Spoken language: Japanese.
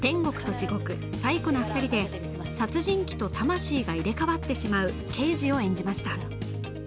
地獄サイコな２人」で殺人鬼と魂が入れ替わってしまう刑事を演じました。